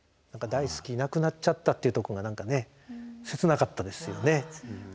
「だいすきなくなっちゃった」っていうとこが何かね切なかったですよね。